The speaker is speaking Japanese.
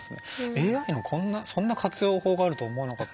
ＡＩもそんな活用法があるとは思わなかった。